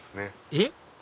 えっ？